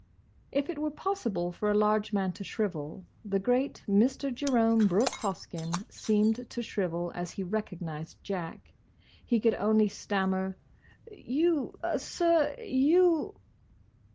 If it were possible for a large man to shrivel, the great Mr. Jerome Brooke Hoskyn seemed to shrivel as he recognised Jack. He could only stammer, "You, sir—you!